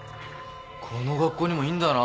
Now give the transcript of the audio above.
この学校にもいんだな